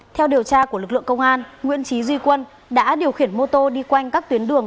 theo điều tra của lực lượng công an nguyễn trí duy quân đã điều khiển mô tô đi quanh các tuyến đường